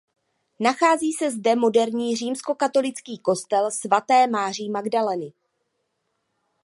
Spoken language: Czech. Nachází se zde moderní římskokatolický kostel svaté Máří Magdaleny.